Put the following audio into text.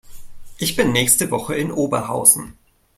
Ich bin nächste Woche in Oberhausen